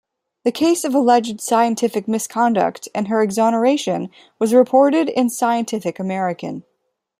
The case of alleged scientific misconduct and her exoneration was reported in "Scientific American".